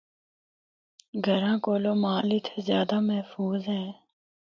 گھروں کولو مال اِتھا زیادہ محفوظ ہے۔